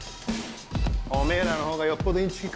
おめぇらのほうがよっぽどインチキくせぇぞ。